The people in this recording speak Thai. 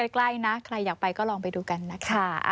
ใกล้นะใครอยากไปก็ลองไปดูกันนะคะ